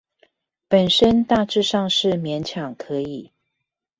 本身大致上是勉強可以